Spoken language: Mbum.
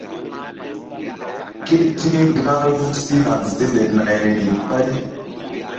Ke ti̧h gahru si haŋsekle nayri ɓay.